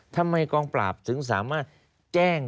ทำให้กองปราบถึงสามารถแจ้ง